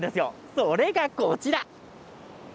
それがこちら。